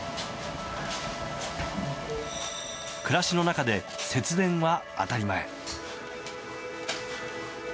暮らしの中で節電は当たり前。